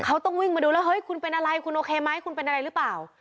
เขาต้องวิ่งมาดูแล้วเฮ้ยคุณเป็นอะไรคุณโอเคไหมคุณเป็นอะไรหรือเปล่า